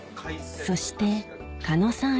そして狩野さん